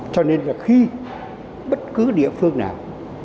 cho nên là khi bất cứ địa phương nào